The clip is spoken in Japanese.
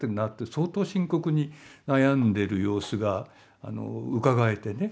相当深刻に悩んでる様子がうかがえてね。